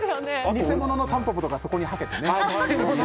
偽物のタンポポとかそこにはけてね。